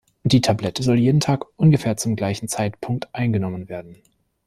Die Tablette soll jeden Tag ungefähr zum gleichen Zeitpunkt eingenommen werden.